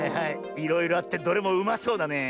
いろいろあってどれもうまそうだねえ。